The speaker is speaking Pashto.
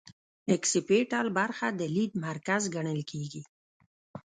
اکسیپیټل برخه د لید مرکز ګڼل کیږي